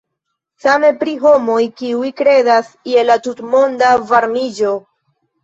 Same pri homoj, kiuj kredas je la tutmonda varmiĝo.